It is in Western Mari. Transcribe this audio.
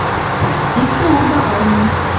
Иктӹ урда армим.